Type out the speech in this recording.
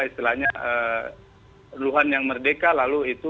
istilahnya luhan yang merdeka lalu itu